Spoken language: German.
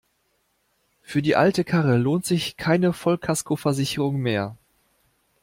Für die alte Karre lohnt sich keine Vollkaskoversicherung mehr.